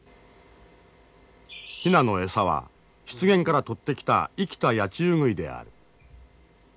ヒナの餌は湿原から取ってきた生きたヤチウグイである。